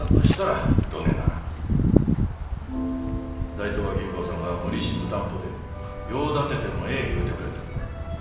大東亜銀行さんが無利子無担保で用立ててもええ言うてくれとる。